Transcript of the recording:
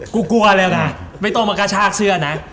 กลัวแล้วนะไม่ต้องมากระชากเสื้อนะ